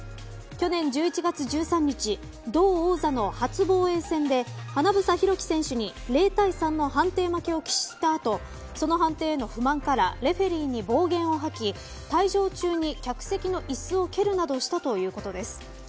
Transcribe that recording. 去年１１月１３日同王座の初防衛戦で英洸貴選手に０対３の判定を喫した後その判定への不満からレフェリーに暴言を吐き退場中に客席の椅子を蹴るなどしたということです。